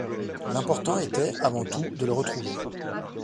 L’important était, avant tout, de le retrouver.